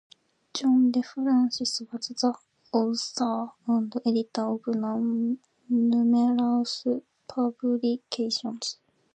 John DeFrancis was the author and editor of numerous publications.